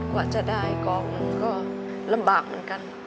กว่าจะได้กองก็ลำบากเหมือนกัน